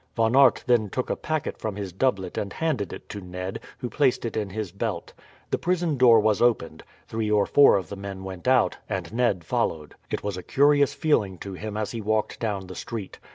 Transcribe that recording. Von Aert then took a packet from his doublet and handed it to Ned, who placed it in his belt. The prison door was opened; three or four of the men went out, and Ned followed. It was a curious feeling to him as he walked down the street.